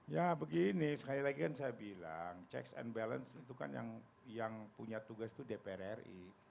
ya begini sekali lagi kan saya bilang checks and balance itu kan yang punya tugas itu dpr ri